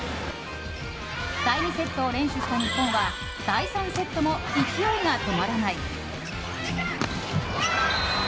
第２セットを連取した日本は第３セットも勢いが止まらない。